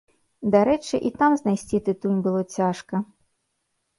Дарэчы, і там знайсці тытунь было цяжка.